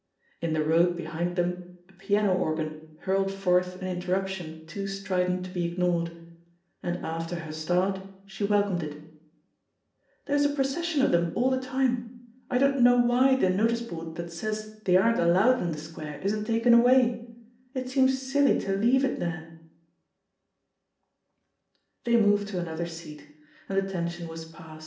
In the road behind them a piano organ hurled forth an interruption too strident to be ignored,, and after her start she welcomed it: "There's a procession of them all the time ; I don't know why the notice board that says they aren't al lowed in the Square isn't taken away — it seems silly to leave it there I" They moved to another seat, and the tension was past.